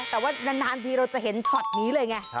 แต่ว่านานทีเราจะเห็นช็อตนี้เลยไง